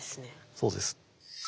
そうです。